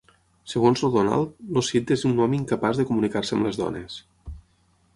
Segons el Donald, el Sid és un home incapaç de comunicar-se amb les dones.